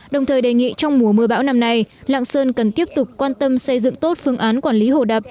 đồng thời đề nghị trong mùa mưa bão năm nay lạng sơn cần tiếp tục quan tâm xây dựng tốt phương án quản lý hồ đập